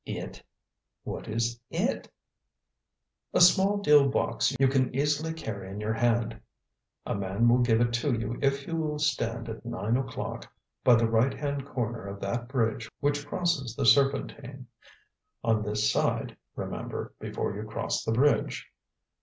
"It? What is 'It'?" "A small deal box you can easily carry in your hand. A man will give it to you if you will stand at nine o'clock by the right hand corner of that bridge which crosses the Serpentine. On this side, remember, before you cross the bridge.